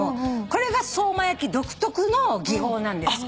これが相馬焼独特の技法なんです。